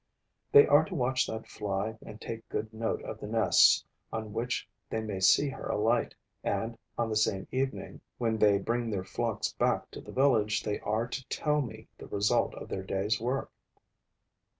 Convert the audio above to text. They are to watch that fly and take good note of the nests on which they may see her alight; and, on the same evening, when they bring their flocks back to the village, they are to tell me the result of their day's work.